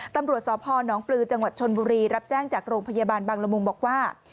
ตำรวจสพนปลือจังหวัดชนบุรีรับแจ้งจากโรงพยาบาลบางละมุงบอกว่า